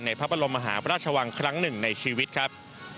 พระบรมมหาพระราชวังครั้งหนึ่งในชีวิตครับ